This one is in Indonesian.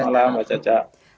selamat malam mbak caca